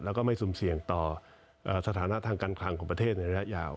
แล้วก็ไม่สุ่มเสี่ยงต่อสถานะทางการคลังของประเทศในระยะยาว